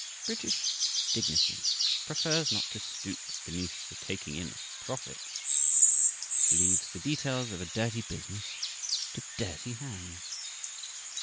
British dignity prefers not to stoop beneath the taking in of profits; it leaves the details of a dirty business to dirty hands.